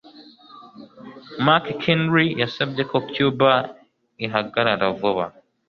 McKinley yasabye ko Cuba ihagarara vuba.